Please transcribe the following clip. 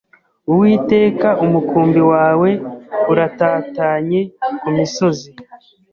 Uwiteka umukumbi wawe uratatanye ku misozi